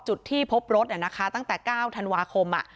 จุดที่พบรถเนี่ยนะคะตั้งแต่๙ธันวาคมอะ